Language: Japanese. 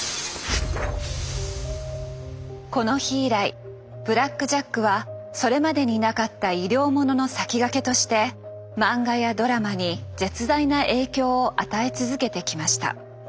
この日以来「ブラック・ジャック」はそれまでになかった医療ものの先駆けとして漫画やドラマに絶大な影響を与え続けてきました。